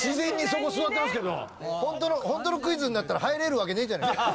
すごい！ホントのクイズになったら入れるわけねえじゃねえか。